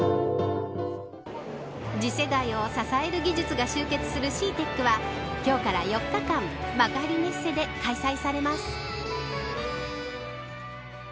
次世代を支える技術が集結するＣＥＡＴＥＣは今日から４日間幕張メッセで開催されます。